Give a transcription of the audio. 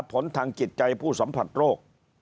ผลทางจิตใจผู้สัมผัสโรค